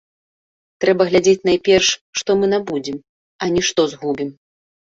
Трэба глядзець найперш, што мы набудзем, а не што згубім.